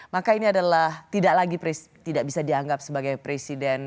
maka ini tidak bisa dianggap sebagai presiden